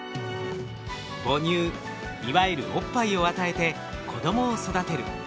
母乳いわゆるおっぱいを与えて子供を育てる。